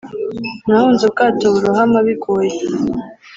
] nahunze ubwato burohama bigoye.